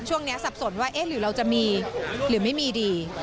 สับสนว่าเอ๊ะหรือเราจะมีหรือไม่มีดี